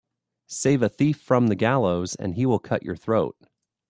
Save a thief from the gallows and he will cut your throat